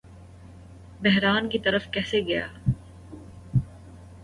بحران کی طرف کیسے گیا